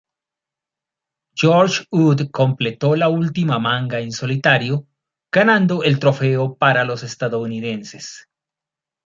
George Wood completó la última manga en solitario, ganando el trofeo para los estadounidenses.